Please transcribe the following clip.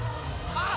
・あっ！